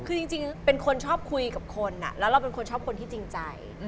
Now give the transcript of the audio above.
คือจริงเป็นคนชอบคุยกับคนแล้วเราเป็นคนชอบคนที่จริงใจ